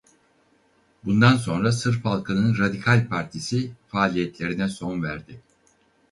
Bundan sonra Sırp Halkının Radikal Partisi faaliyetlerine son verdi.